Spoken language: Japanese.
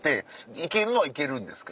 いけるのはいけるんですか？